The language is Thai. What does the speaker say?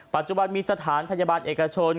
ปัจจุบันมีสถานพยาบาลเอกชน